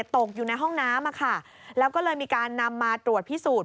ตกอยู่ในห้องน้ำแล้วก็เลยมีการนำมาตรวจพิสูจน์